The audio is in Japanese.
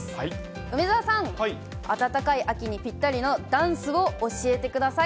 梅澤さん、暖かい秋にぴったりのダンスを教えてください。